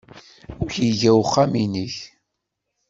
Amek iga uxxam-nnek?